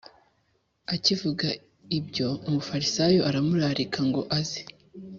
Akivuga ibyo Umufarisayo aramurarika ngo aze